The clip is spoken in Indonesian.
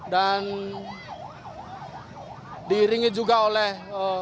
dan diiringi juga oleh